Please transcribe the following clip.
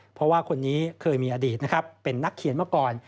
เพราะว่าคนนี้เคยมีอดีตเป็นนักเขียนเมื่อก่อน